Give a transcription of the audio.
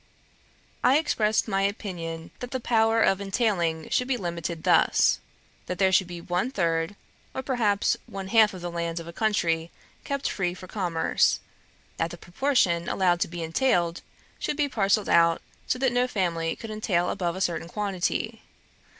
I expressed my opinion that the power of entailing should be limited thus: 'That there should be one third, or perhaps one half of the land of a country kept free for commerce; that the proportion allowed to be entailed, should be parcelled out so that no family could entail above a certain quantity.